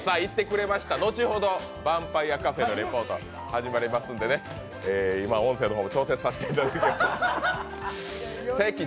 後ほどヴァンパイアカフェのレポートが始まりますんでね、今、音声の方も調整させていただきます。